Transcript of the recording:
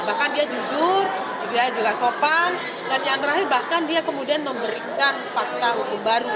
bahkan dia jujur dia juga sopan dan yang terakhir bahkan dia kemudian memberikan fakta hukum baru